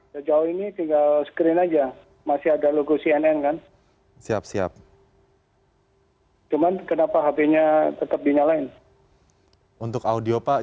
terima kasih pak